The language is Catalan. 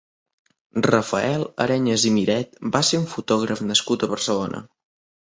Rafael Areñas i Miret va ser un fotògraf nascut a Barcelona.